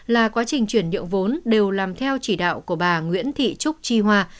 là quá trình chuyển điệu vốn đều làm theo chỉ đạo của bà nguyễn thị trúc chi hoa